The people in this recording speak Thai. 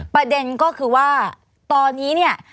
ประเด็นก็คือว่าตอนนี้เนี่ย